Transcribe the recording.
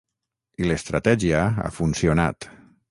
I l'estratègia ha funcionat.